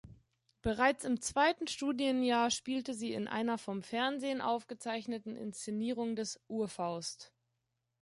Bereits im zweiten Studienjahr spielte sie in einer vom Fernsehen aufgezeichneten Inszenierung des "Urfaust".